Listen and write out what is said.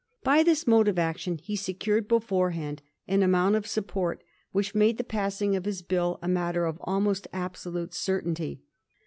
By this mode of action he secured beforehand an amount of support which made the passing of his Bill a matter of almost absolute certainty.